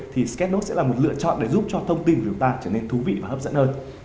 thì scannos sẽ là một lựa chọn để giúp cho thông tin của chúng ta trở nên thú vị và hấp dẫn hơn